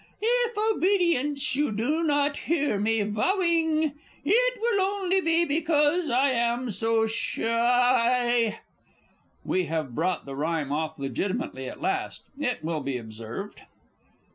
If obedience you do not hear me vowing, It will only be because I am so shy. [_We have brought the rhyme off legitimately at last, it will be observed.